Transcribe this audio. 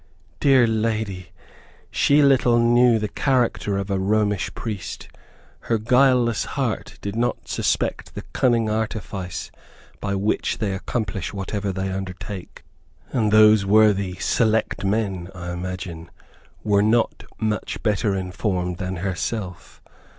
Dear lady! she little knew the character of a Romish priest! Her guileless heart did not suspect the cunning artifice by which they accomplish whatever they undertake. And those worthy "select men," I imagine, were not much better informed than herself.